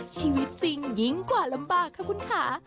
ชีวิตจริงยิ่งกว่าลำบากค่ะคุณค่ะ